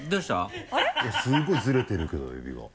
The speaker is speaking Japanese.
すごいずれてるけどエビが。